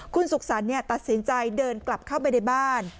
คุณสุขสรรค์ตัดสินใจเดินกลับเข้าไปในบ้าน